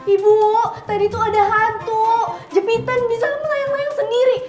ibu tadi tuh ada hantu jepitan bisa melayang layang sendiri